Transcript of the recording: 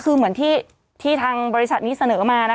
คือเหมือนที่ทางบริษัทนี้เสนอมา